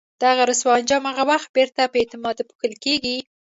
دغه رسوا انجام هغه وخت بیرته په اعتماد پوښل کېږي.